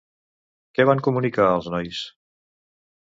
Què van comunicar als nois?